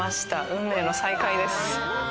運命の再会です。